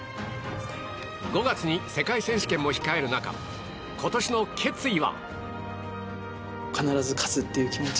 ５月に世界選手権も控える中今年の決意は？